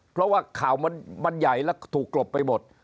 เพราะว่าข่าวมันใหญ่และถูกกลบไปหมด